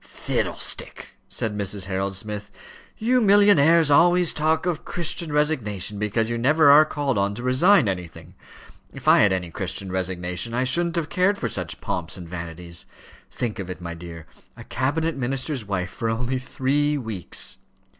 "Fiddlestick!" said Mrs. Harold Smith. "You millionnaires always talk of Christian resignation, because you never are called on to resign anything. If I had any Christian resignation, I shouldn't have cared for such pomps and vanities. Think of it, my dear; a cabinet minister's wife for only three weeks!"